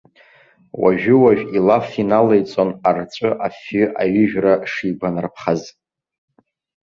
Уажәы-уажә илаф иналаиҵон арҵәы афҩы аҩыжәра шигәанарԥхаз.